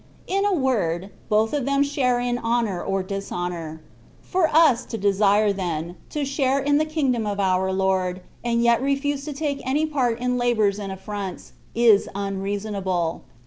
In a word, both of them share in honour or dishonour. For us to desire, then, to share in the kingdom of our Lord, and yet refuse to take any part in labours and affronts, is unreasonable.